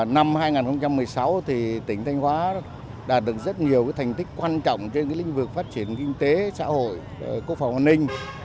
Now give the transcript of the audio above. năm hai nghìn một mươi sáu tỉnh thanh hóa đã được rất nhiều thành tích quan trọng trên linh vực phát triển kinh tế xã hội cố phòng hòa ninh